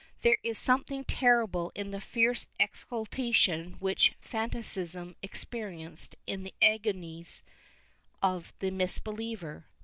^ There is something terrible in the fierce exultation which fanati cism experienced in the agonies of the misbeliever.